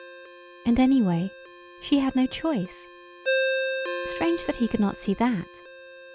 And anyway she had no choice. Strange that he could not see that!